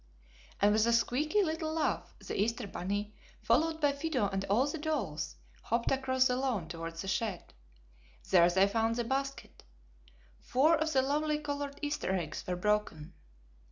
And with a squeeky little laugh the Easter bunny, followed by Fido and all the dolls, hopped across the lawn towards the shed. There they found the basket. Four of the lovely colored Easter eggs were broken.